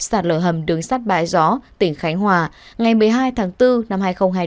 sạt lở hầm đường sắt bãi gió tỉnh khánh hòa ngày một mươi hai tháng bốn năm hai nghìn hai mươi